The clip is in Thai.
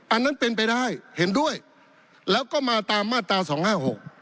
อันนั้นเป็นไปได้เห็นด้วยแล้วก็มาตามมาตราสองห้าหก